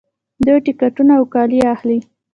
دوی ټکټونه او کالي اخلي.